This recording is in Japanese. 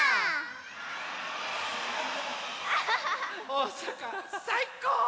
おおさかさいこう！